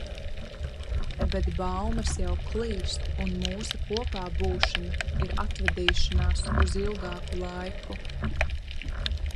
Bet baumas jau klīst, un mūsu kopābūšana ir atvadīšanās uz ilgāku laiku.